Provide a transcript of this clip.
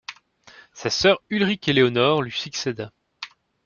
Sa sœur Ulrique-Éléonore lui succéda.